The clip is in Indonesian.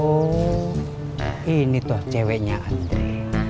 oh ini tuh ceweknya andri